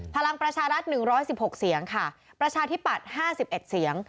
พลังประชารัฐ๑๑๖เสียงค่ะประชาธิปัตย์๕๑เสียง